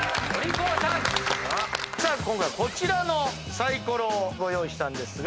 さあ今回はこちらのサイコロをご用意したんですが。